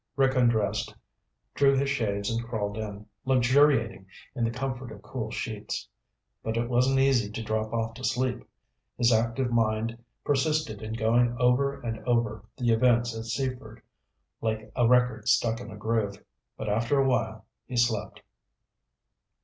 Rick undressed, drew his shades and crawled in, luxuriating in the comfort of cool sheets. But it wasn't easy to drop off to sleep. His active mind persisted in going over and over the events at Seaford like a record stuck in a groove, but after a while he slept.